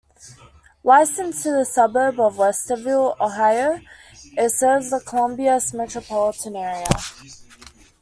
Licensed to the suburb of Westerville, Ohio, it serves the Columbus metropolitan area.